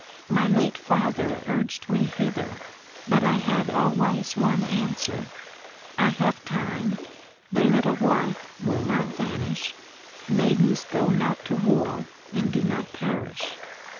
My late father urged me hither, but I had always one answer: 'I have time! The little wife will not vanish; maidens go not to war and do not perish.'